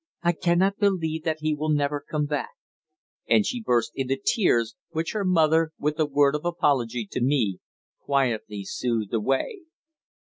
I cannot believe that he will never come back," and she burst into tears, which her mother, with a word of apology to me, quietly soothed away.